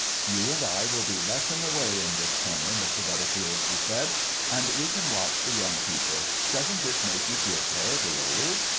"You and I will be less in the way in this corner, Mr. Butterfield," she said, "and we can watch the young people. Doesn't this make you feel terribly old?